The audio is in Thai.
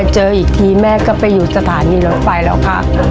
เจออีกทีแม่ก็ไปอยู่สถานีรถไฟแล้วค่ะ